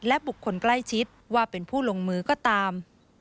และบุคคลใกล้ชิดว่าเป็นผู้ลงมือก็ตาม